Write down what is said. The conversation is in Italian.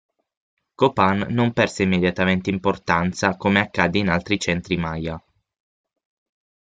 Copán non perse immediatamente importanza come accadde in altri centri maya.